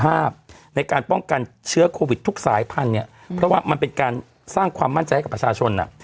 ในการป้องกันเชื้อโควิดทุกสายพันธุ์เนี่ยเพราะว่ามันเป็นการสร้างความมั่นใจให้กับประชาชนอ่ะ